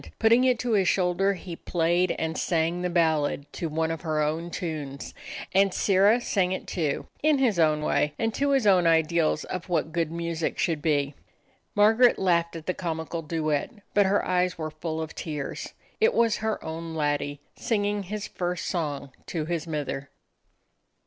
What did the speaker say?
Put ting it to his shoulder, he played and sang the ballad to one of her own tunes, and Sirrah sang it, too, in his own way, and to his own ideals of what good music should be. Mar garet laughed at the comical duet, but her eyes were full of tears. It was her own laddie, singing his first song to his mither.